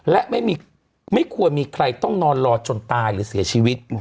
และไม่ควรมีใครต้องนอนรอจนตายหรือเสียชีวิต